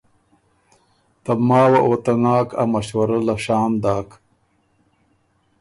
ته ماوه او ته ناک ا مشورۀ له شام داک۔